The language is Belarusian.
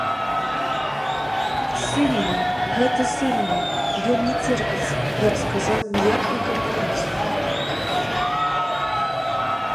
Сын мой, гэты сын мой, ён не церпіць, я б сказаў, ніякага кампрамісу.